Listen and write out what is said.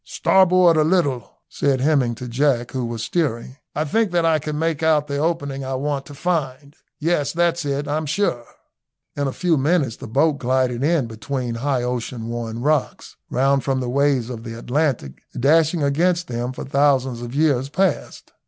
"Starboard a little," said Hemming to Jack, who was steering. "I think that I can make out the opening I want to find; yes, that's it, I'm sure." In a few minutes the boat glided in between high ocean worn rocks, round from the waves of the Atlantic dashing against them for thousands of years past.